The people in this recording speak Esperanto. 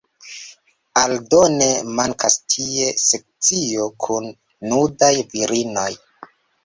Aldone, mankas tie sekcio kun nudaj virinoj.